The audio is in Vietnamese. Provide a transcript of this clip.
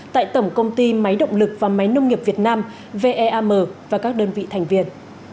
tại tổng công ty máy động lực và máy nông nghiệp việt nam veam và các đơn vị thành viên